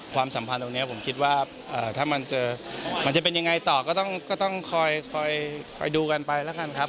ความสัมพันธ์ตรงนี้ผมคิดว่าถ้ามันเจอมันจะเป็นยังไงต่อก็ต้องคอยดูกันไปแล้วกันครับ